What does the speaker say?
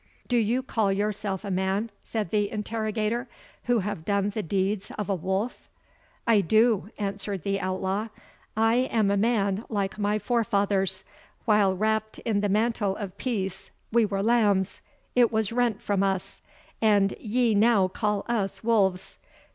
"Do you call yourself a man," said the interrogator, "who have done the deeds of a wolf?" "I do," answered the outlaw; "I am a man like my forefathers while wrapt in the mantle of peace, we were lambs it was rent from us, and ye now call us wolves.